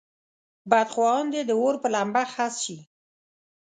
بدخواهان دې د اور په لمبه خس شي.